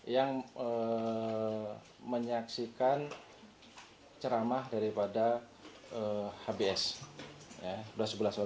yang menyaksikan ceramah daripada hbs